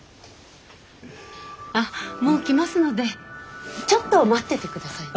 あっもう来ますのでちょっと待っててくださいね。